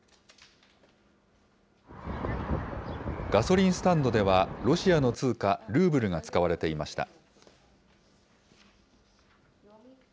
ガソリンスタンドでは、ロシアの通貨ルーブルが使われていました。